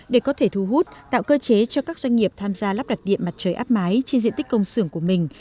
để có thể thu hút tạo cơ chế cho các doanh nghiệp tham gia lắp đặt điện mặt trời áp mái trên diện tích công xưởng của mình